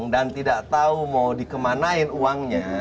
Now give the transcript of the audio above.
dan tidak tahu mau dikemanain uangnya